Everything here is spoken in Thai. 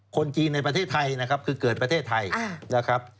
คนจีนในประเทศไทยนะครับคือเกิดประเทศไทยนะครับ